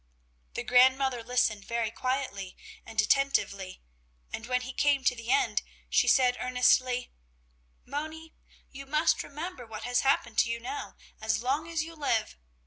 The grandmother listened very quietly and attentively and when he came to the end, she said earnestly: "Moni, you must remember what has happened to you now, as long as you live!